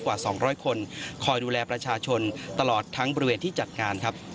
กว่า๒๐๐คนคอยดูแลประชาชนตลอดทั้งบริเวณที่จัดงานครับ